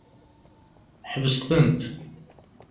Ḥbes-tent!